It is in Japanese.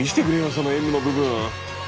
そのＭの部分！